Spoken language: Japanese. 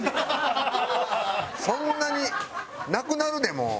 そんなになくなるでもう。